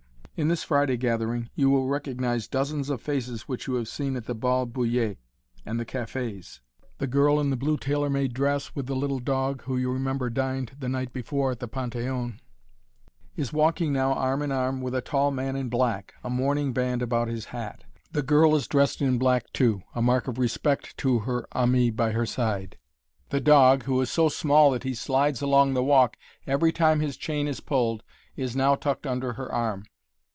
In this Friday gathering you will recognize dozens of faces which you have seen at the "Bal Bullier" and the cafés. The girl in the blue tailor made dress, with the little dog, who you remember dined the night before at the Panthéon, is walking now arm in arm with a tall man in black, a mourning band about his hat. The girl is dressed in black, too a mark of respect to her ami by her side. The dog, who is so small that he slides along the walk every time his chain is pulled, is now tucked under her arm.